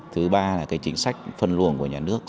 thứ ba là cái chính sách phân luồng của nhà nước